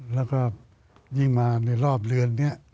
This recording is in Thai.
แล้วก็ยิ่งมาในรอบเรือนนี้